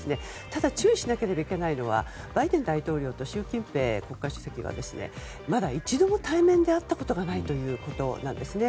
ただ注意しなければいけないのはバイデン大統領と習近平国家主席はまだ一度も対面で会ったことがないということなんですね。